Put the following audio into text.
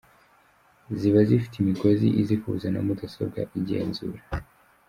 Ziba zifite imigozi izihuza na mudasobwa izigenzura.